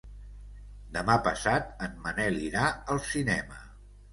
Demà passat en Manel irà al cinema.